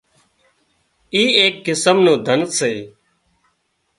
اي ايڪ قسم نُون ڌنَ سي